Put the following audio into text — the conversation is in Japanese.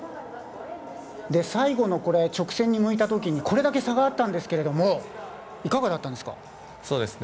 最後のこれ、直線に向いたときに、これだけ差があったんですけれども、いかがだったんですか。